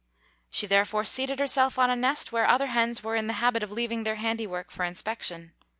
She therefore seated herself on a nest where other hens were in the habit of leaving their handiwork for inspection.